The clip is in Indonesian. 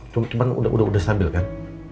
cuman sudah stabil kan